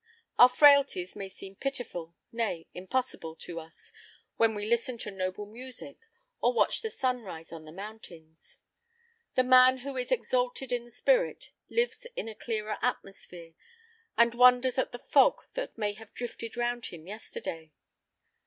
Our frailties may seem pitiful, nay, impossible to us when we listen to noble music, or watch the sunrise on the mountains. The man who is exalted in the spirit lives in a clearer atmosphere, and wonders at the fog that may have drifted round him yesterday.